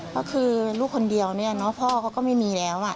เพราะคือลูกคนเดียวเนี่ยพ่อก็ไม่มีแล้ว